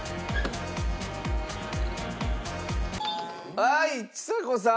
はいちさ子さん。